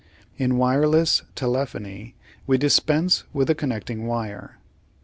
In wireless telephony we dispense with the connecting wire.